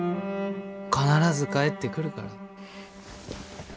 必ず帰ってくるから。